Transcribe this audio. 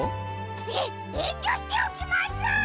ええんりょしておきます！